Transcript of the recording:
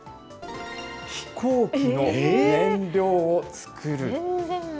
飛行機の燃料を作る。